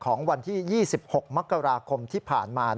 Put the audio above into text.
ของวันที่๒๖มกราคมที่ผ่านมา